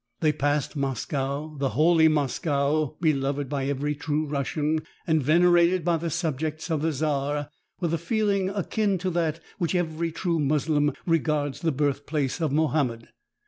They passed Moscow — the holy Moscow — beloved by every true Russian, and venerated by the subjects of the czar with a feeling akin to that with which every true Moslem regards the birthplace of Mohammed.